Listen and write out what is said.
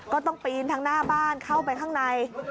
ก็ต้องปีนทั้งหน้าบ้านเข้าไปข้างใน